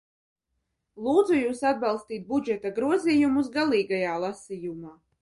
Lūdzu jūs atbalstīt budžeta grozījumus galīgajā lasījumā!